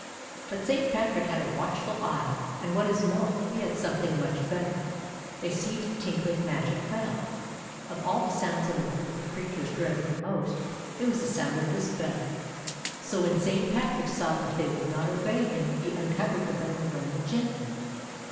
But Saint Patrick had a watchful eye, and what is more, he had something much better — a sweet tinkling magic bell. Of all the sounds in the world the creatures dreaded the most, it was the sound of this bell. So when Saint Pat rick saw that they would not obey him he un covered the bell and rang it gently.